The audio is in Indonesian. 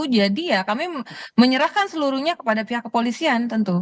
jadi ya kami menyerahkan seluruhnya ke pihak kepolisian